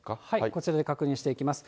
こちらで確認していきます。